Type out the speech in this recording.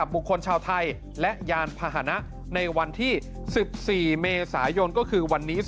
โปรดติดตามต่อไป